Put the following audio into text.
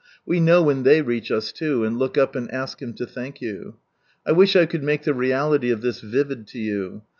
We know when they reach us, too, and look lip and ask Him to thank you. I wish I could make the reality of this vivid to you.